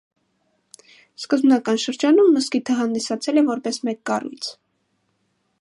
Սկզբնական շրջանում մզկիթը հանդիսացել է որպես մեկ կառույց։